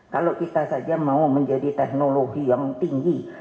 kalau kita saja mau menjadi teknologi yang tinggi